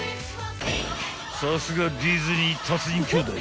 ［さすがディズニー達人兄弟］